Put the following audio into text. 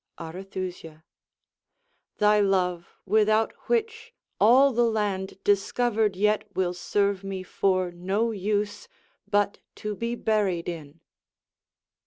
Arethusa Thy love; without which, all the land Discovered yet will serve me for no use But to be buried in.